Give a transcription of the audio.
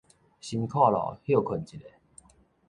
辛苦囉！歇睏一下